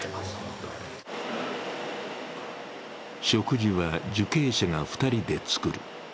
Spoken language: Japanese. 食事は受刑者が２人で作る。